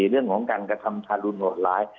เรื่องของการกระทำทารุณโหดร้าย